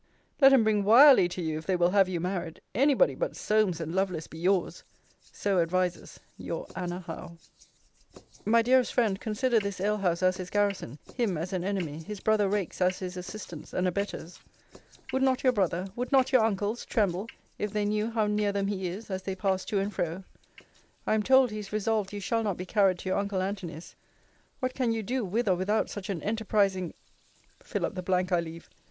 Let 'em bring Wyerley to you, if they will have you married any body but Solmes and Lovelace be yours! So advises Your ANNA HOWE. My dearest friend, consider this alehouse as his garrison: him as an enemy: his brother rakes as his assistants and abettors. Would not your brother, would not your uncles, tremble, if they knew how near them he is, as they pass to and fro? I am told, he is resolved you shall not be carried to your uncle Antony's. What can you do, with or without such an enterprising Fill up the blank I leave.